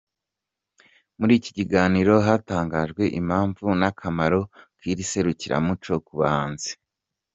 Muri iki kiganiro hatangajwe impamvu n’akamaro k’iri serukiramuco ku bahanzi.